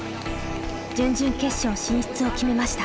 準々決勝進出を決めました。